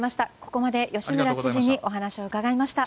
ここまで吉村知事にお話を伺いました。